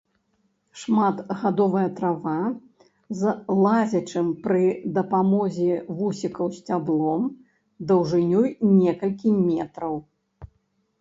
Шматгадовая трава з лазячым пры дапамозе вусікаў сцяблом даўжынёю некалькі метраў.